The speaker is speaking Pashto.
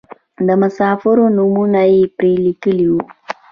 د مسافرو نومونه یې پرې لیکلي وو.